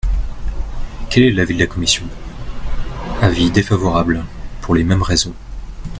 Quel est l’avis de la commission ? Avis défavorable, pour les mêmes raisons.